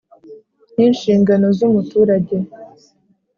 N inshingano z umuturage